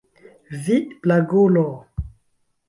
Vi, blagulo!